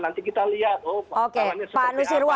nanti kita lihat oh pasangannya seperti apa dan sebagainya